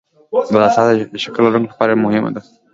ځغاسته د شکر لرونکو لپاره مهمه ده